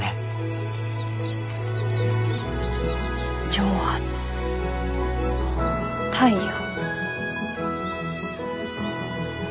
蒸発太陽。